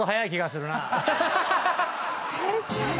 先生。